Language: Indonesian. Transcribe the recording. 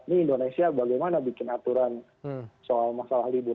ini indonesia bagaimana bikin aturan soal masalah libur